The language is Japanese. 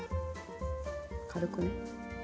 軽くね。